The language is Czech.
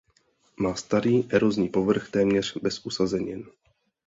Má starý erozní povrch téměř bez usazenin.